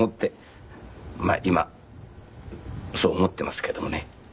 今そう思っていますけどもね。